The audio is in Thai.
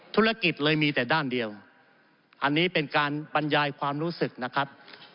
ธุรกิจเลยมีแต่ด้านเดียวอันนี้เป็นการบรรยายความรู้สึกนะครับ